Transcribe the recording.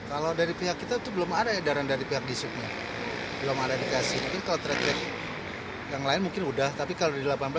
belum juga belum ada pemberitahuan